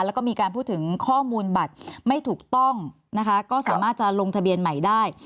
แล้วก็มีการพูดถึงข้อมูลบัตรไม่ถูกต้องนะคะก็สามารถจะลงทะเบียนใหม่ได้